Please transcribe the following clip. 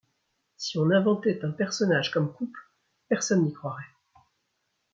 Si on inventait un personnage comme Coop, personne n'y croirait.